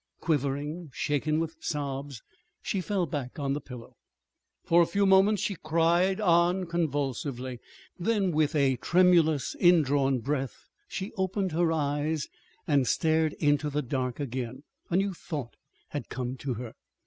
Quivering, shaken with sobs, she fell back on the pillow. For a few moments she cried on convulsively. Then, with a tremulous indrawn breath, she opened her eyes and stared into the dark again. A new thought had come to her.